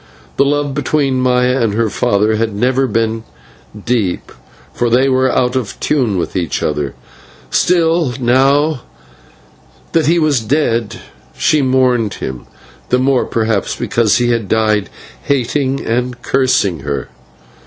The love between Maya and her father had never been deep, for they were out of tune with each other; still, now that he was dead she mourned him, the more perhaps because he had died hating and cursing her.